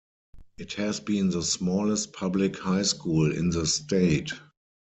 It has been the smallest public high school in the state.